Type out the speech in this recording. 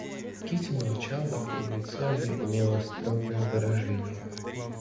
Кити молчала, и лицо ее имело строгое выражение.